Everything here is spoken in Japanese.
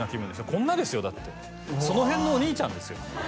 こんなですよだってその辺のお兄ちゃんですよ